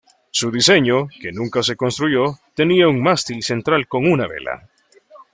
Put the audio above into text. Su diseño, que nunca se construyó, tenía un mástil central con una vela.